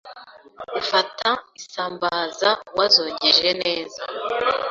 ufata isambaza wazogeje neza